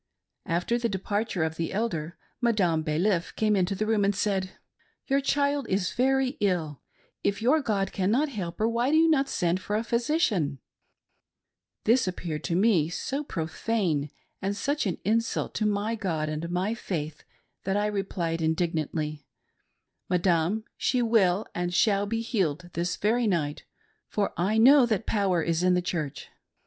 After the departure of the elder, Madame Balif came into the rooin and said :" Your child is very ill ; if your God cannot help her, why do not you send for a physician T This appeared to me so" profane and such an insult to my God and my faith, that I replied indigo nantly :" Madame ; she will and shall be healed this very night ; for I know that power is in the Church.